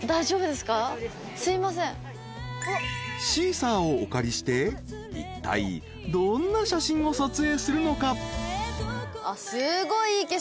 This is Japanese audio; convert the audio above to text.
［シーサーをお借りしていったいどんな写真を撮影するのか？］